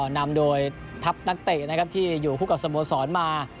นำโดยทัพนักเตะที่อยู่แล้วกับสโภสรมา